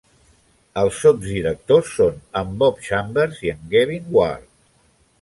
Els sotsdirectors són en Bob Chambers i en Gavin Ward.